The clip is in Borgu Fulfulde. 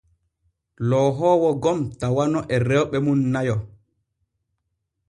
Loohoowo gom tawano e rewɓe mum nayo.